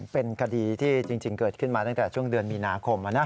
เป็นคดีที่จริงเกิดขึ้นมาตั้งแต่ช่วงเดือนมีนาคม